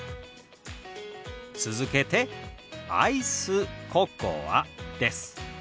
続けて「アイスココア」です。